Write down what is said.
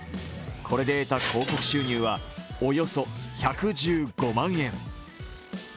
これで得た広告収入はおよそ１１５万円。